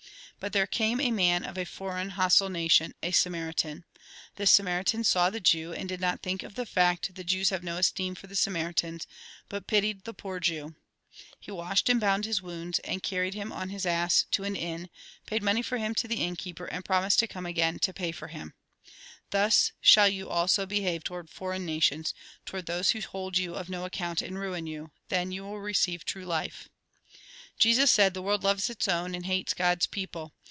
But there came a man of a foreign, hostile nation, a Samaritan. This Samaritan saw the Jew, and did not think of the fact that Jews have no esteem for the Samaritans, but pitied the poor Jew. He washed and bound his wounds, and carried him on his ass to an inn, paid money for him to the innkeeper, and promised to come Jn. viii. 10. Lk. X. 25. TEMPTATIONS Mt. xvi. 21. Mk. viii. 33. Mt. xxii. 23. again to pay for him. Thus shall you also behave towards foreign nations, towards those who hold you of no account and ruin you. Then yon will receive true life." Jesus said :" The world loves its own, and hates God's people.